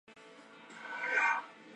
Fue escrito por Peter Mooney.